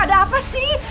ada apa sih